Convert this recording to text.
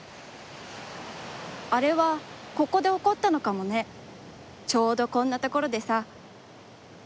「あれは、ここでおこったのかもね、ちょうどこんなところでさ」